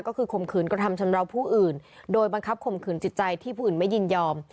ก็คือข่มขืนกระทำชำราวผู้อื่นโดยบังคับข่มขืนจิตใจที่ผู้อื่นไม่ยินยอม